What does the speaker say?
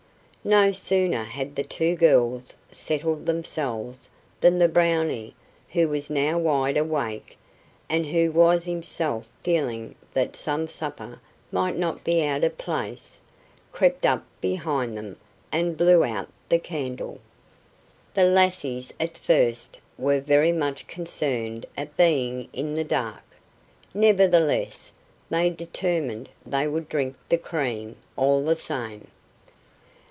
No sooner had the two girls settled themselves than the Brownie, who was now wide awake, and who was himself feeling that some supper might not be out of place, crept up behind them and blew out the candle. The lassies at first were very much concerned at being in the dark; nevertheless they determined they would drink the cream, all the same.